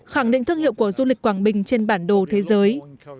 khẳng định thương hiệu của du lịch quảng bình trên bản đồ thế giới